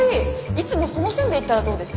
いつもその線でいったらどうです？